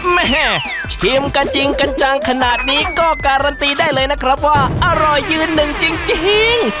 แม่ชิมกันจริงกันจังขนาดนี้ก็การันตีได้เลยนะครับว่าอร่อยยืนหนึ่งจริง